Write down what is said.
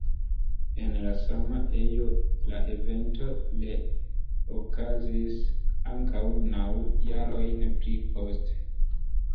En la sama ejo la evento ree okazis ankaŭ naŭ jarojn pli poste.